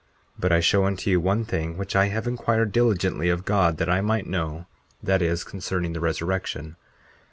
But I show unto you one thing which I have inquired diligently of God that I might know—that is concerning the resurrection.